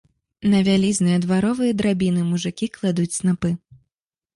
На вялізныя дваровыя драбіны мужыкі кладуць снапы.